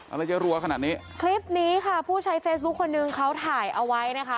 อะไรจะรัวขนาดนี้คลิปนี้ค่ะผู้ใช้เฟซบุ๊คคนนึงเขาถ่ายเอาไว้นะคะ